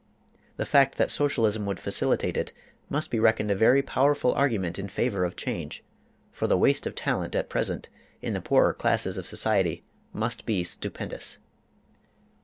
The fact that Socialism would facilitate it must be reckoned a very powerful argument in favor of change, for the waste of talent at present in the poorer classes of society must be stupendous.